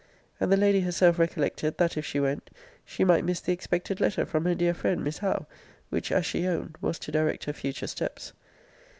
And the lady herself recollected, that if she went, she might miss the expected letter from her dear friend Miss Howe! which, as she owned, was to direct her future steps.